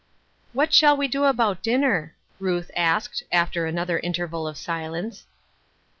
" What shall we do about dinner ?" Ruth asked, after another interval of silence.